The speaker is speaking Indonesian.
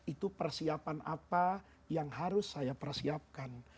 itu persiapan apa yang harus saya persiapkan